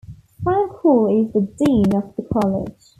Frank Hall is the dean of the college.